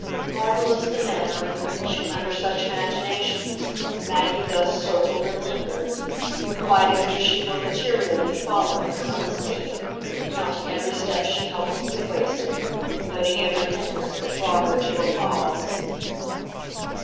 Marvellous the manner in which, under such imaginations, Maggie thus circled and lingered quite as if she were, materially, following her unseen, counting every step she helplessly wasted, noting every hindrance that brought her to a pause.